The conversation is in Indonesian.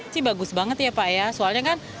sih bagus banget ya pak ya soalnya kan